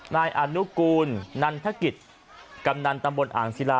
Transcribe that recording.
นายอนุกูลนันทกิจกำนันตำบลอ่างศิลา